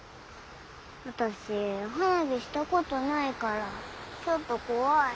私花火したことないからちょっと怖い。